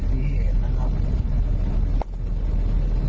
พี่ถือใส่แมส